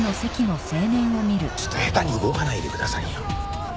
ちょっと下手に動かないでくださいよ。